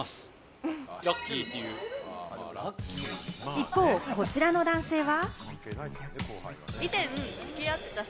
一方、こちらの男性は。